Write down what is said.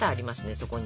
そこに。